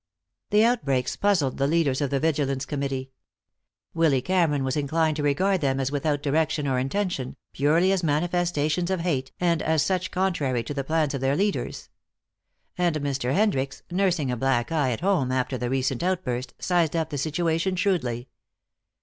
The outbreaks puzzled the leaders of the Vigilance Committee. Willy Cameron was inclined to regard them as without direction or intention, purely as manifestations of hate, and as such contrary to the plans of their leaders. And Mr. Hendricks, nursing a black eye at home after the recent outburst, sized up the situation shrewdly.